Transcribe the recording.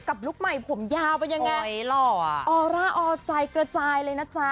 กับลูกใหม่ผมยาวเป็นยังไงอร่าอร์ใจกระจายเลยนะจ๊ะ